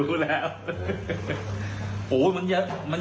น้องรู้แล้ว